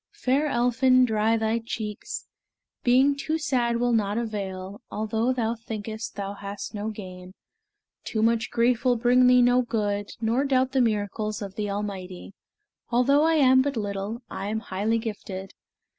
Fair Elphin, dry thy cheeks! Being too sad will not avail, Although thou thinkest thou hast no gain. Too much grief will bring thee no good; Nor doubt the miracles of the Almighty: Although I am but little, I am highly gifted.